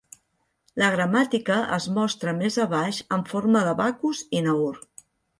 La gramàtica es mostra més abaix en forma de Backus i Naur.